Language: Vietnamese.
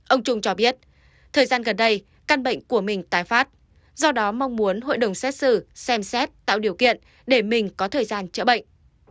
ông trung cho biết thời gian gần đây căn bệnh của mình tái phát do đó mong muốn hội đồng xét xử xem xét tạo điều kiện để mình có thời gian chữa bệnh